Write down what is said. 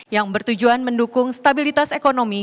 yang bertujuan mendukung stabilitas ekonomi